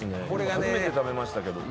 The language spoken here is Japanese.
初めて食べましたけど。